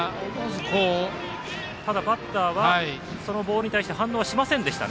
バッターはそのボールに対して反応しませんでした。